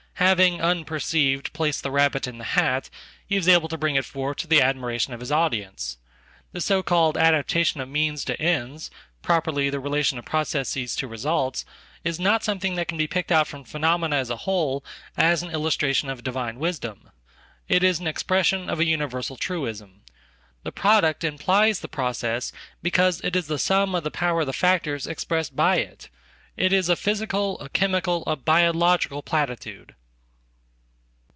Having, unperceived, placed the rabbit in the hat, heis able to bring it forth to the admiration of his audience. Theso called adaptation of means to ends — property, the relation ofprocesses to results — is not something that can be picked outfrom phenomena as a whole as an illustration of divine wisdom; itis an expression of a universal truism. The product implies theprocess because it is the sum of the power of the factors expressedby it. It is a physical, a chemical, a biological platitude.